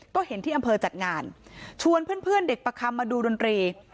ก็เห็นที่อำเภอจัดงานชวนเพื่อนเด็กประคำมาดูดนตรี